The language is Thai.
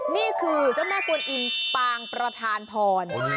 นี่คือเจ้าแม่กวนอิมปางประธานพร